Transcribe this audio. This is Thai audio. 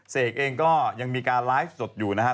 เสกเองก็ยังมีการไลฟ์สดอยู่นะครับ